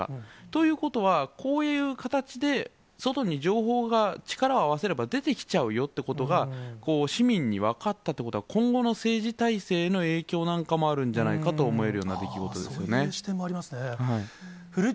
ということは、こういう形で外に情報が、力を合わせれば出てきちゃうよってことが、市民に分かったということは、今後の政治体制への影響なんかもあるんじゃないかと思えるようなそういう視点もありますよね。